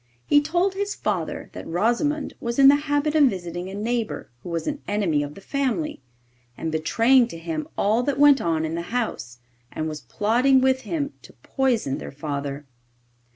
He told his father that Rosimond was in the habit of visiting a neighbour who was an enemy of the family, and betraying to him all that went on in the house, and was plotting with him to poison their father.